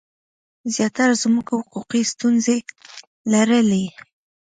زیاتره ځمکو حقوقي ستونزي لرلي.